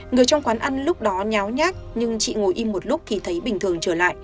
người trong quán ăn lúc đó nháo nhát nhưng chị ngồi im một lúc thì thấy bình thường trở lại